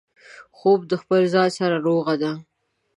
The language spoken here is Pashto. خوب د خپل ځان سره روغه ده